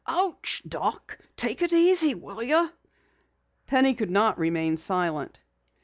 "Ouch, doc! Take it easy, will you?" Penny could not remain silent.